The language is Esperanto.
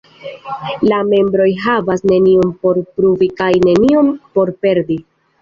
La membroj havas nenion por pruvi kaj nenion por perdi.